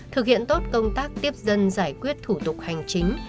thực hiện tốt công tác tiếp dân giải quyết thủ tục hành chính